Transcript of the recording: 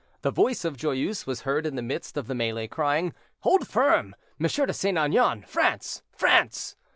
The voice of Joyeuse was heard in the midst of the melée crying, "Hold firm, M. de St. Aignan. France! France!"